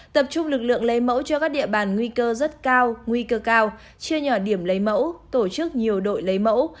tập trung lực lượng lấy mẫu cho các địa bàn nguy cơ rất cao nguy cơ cao chia nhỏ điểm lấy mẫu tổ chức nhiều đội lấy mẫu